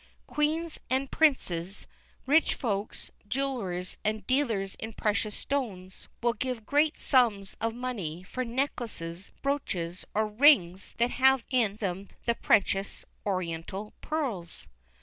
Queens and princes, rich Folks, jewellers, and dealers in precious stones, will give great sums of money for necklaces, brooches, or rings that have in them the precious Oriental pearls.